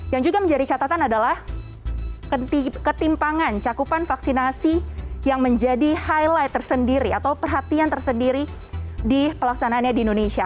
yang juga menjadi catatan adalah ketimpangan cakupan vaksinasi yang menjadi highlight tersendiri atau perhatian tersendiri di pelaksanaannya di indonesia